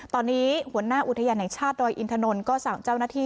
ตอนนี้หัวหน้าอุทยานแห่งชาติดอยอินทนนท์ก็สั่งเจ้าหน้าที่